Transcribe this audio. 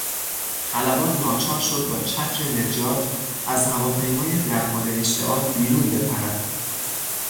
خلبان ناچار شد با چتر نجات از هواپیمای در حال اشتعال بیرون بپرد.